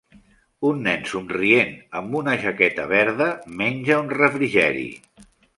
Un nen somrient amb una jaqueta verda menja un refrigeri